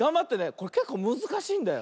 これけっこうむずかしいんだよ。